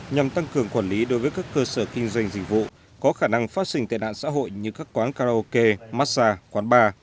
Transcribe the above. nhằm tăng cường quản lý đối với các cơ sở kinh doanh dịch vụ có khả năng phát sinh tệ nạn xã hội như các quán karaoke massage quán bar